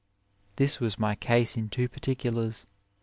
This was my case in two particulars.